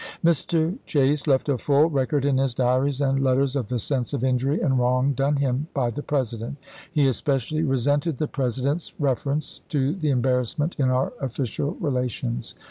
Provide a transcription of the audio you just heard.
THE KESIGNATION OF ME. CHASE 101 Mr. Chase left a full record in his diaries and let chap. iv. ters of the sense of injury and wrong done him by the President. He especially resented the Presi dent's reference to the "embarrassment in our official relations."